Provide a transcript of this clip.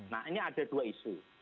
nah ini ada dua isu